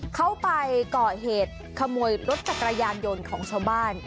เขาไปก่อเหตุขโมยรถจักรยานยนต์ของชาวบ้าน